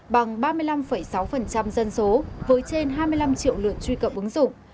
bằng ba mươi năm sáu dân số với trên hai mươi năm triệu lượt truy cập ứng dụng